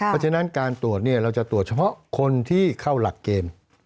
เพราะฉะนั้นการตรวจเราจะตรวจเฉพาะคนที่เข้าหลักเกณฑ์